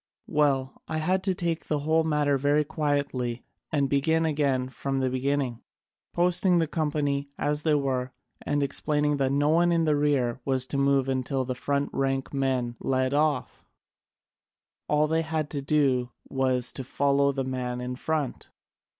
"Well, I had to take the whole matter very quietly and begin again from the beginning, posting the company as they were, and explaining that no one in the rear was to move until the front rank man led off: all they had to do was to follow the man in front.